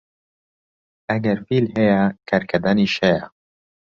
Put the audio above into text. ئەگەر فیل هەیە، کەرگەدەنیش هەیە